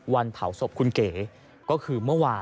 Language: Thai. วันเผาศพคุณเก๋ก็คือเมื่อวาน